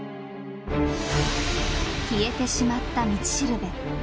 消えてしまった道しるべ。